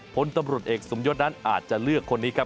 ผลตำรวจเอกสมยศนั้นอาจจะเลือกคนนี้ครับ